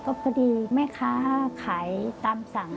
ก็พอดีแม่ค้าขายตามสั่ง